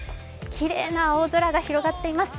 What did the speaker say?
きれいな青空が広がっています。